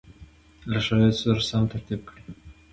له شرایطو سره سم ترتیب کړي